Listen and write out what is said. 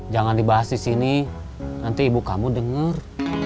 jangan dibahas di sini nanti ibu kamu dengar